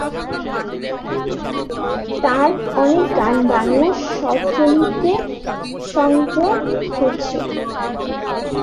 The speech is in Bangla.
তার অনেক গান বাংলা চলচ্চিত্রে সংযোজন হয়েছে।